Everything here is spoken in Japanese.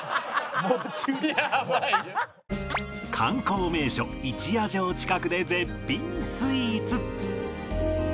観光名所一夜城近くで絶品スイーツ